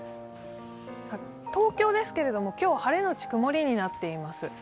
東京ですけれども、今日晴れのち曇りになっています。